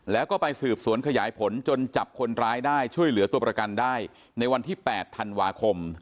แล้วก็ไปสืบสวนขยายผลจนจับคนร้ายได้ช่วยเหลือตัวประกันได้ในวันที่๘ธันวาคม